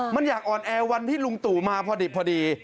มันอยากอ่อนแอวันที่ลุงตู่มาพอดิบพอดี